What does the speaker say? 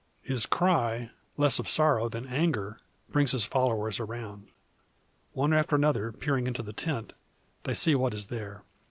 His cry, less of sorrow than anger, brings his followers around. One after another peering into the tent, they see what is there.